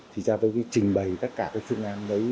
thì cha tôi trình bày tất cả các phương án đấy